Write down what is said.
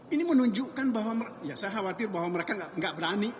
ini menunjukkan bahwa ya saya khawatir bahwa mereka tidak berani